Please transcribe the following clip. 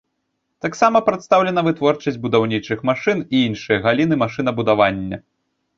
Таксама прадстаўлена вытворчасць будаўнічых машын і іншыя галіны машынабудавання.